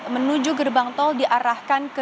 menuju gerbang tol diarahkan ke